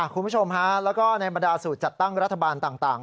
คุณผู้ชมฮะแล้วก็ในบรรดาสูตรจัดตั้งรัฐบาลต่าง